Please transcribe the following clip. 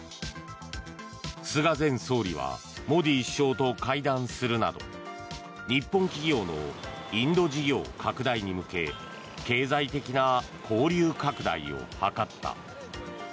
菅前総理はモディ首相と会談するなど日本企業のインド事業拡大に向け経済的な交流拡大を図った。